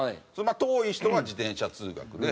遠い人は自転車通学で。